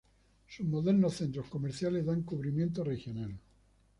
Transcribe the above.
Sus modernos centros comerciales dan cubrimiento regional.